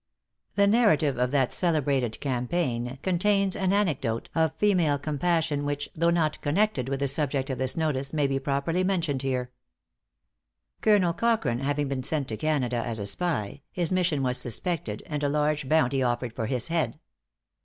The narrative of that celebrated campaign contains an anecdote of female compassion which, though not connected with the subject of this notice, may be properly mentioned here. "Colonel Cochran having been sent to Canada as a spy, his mission was suspected, and a large bounty offered for his head.